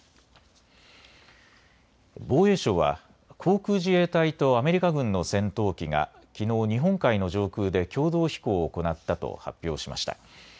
防衛省は航空自衛隊とアメリカ軍の戦闘機がきのう日本海の上空で共同飛行を行ったと発表しました。